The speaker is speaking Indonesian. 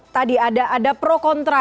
tadi ada pro kontra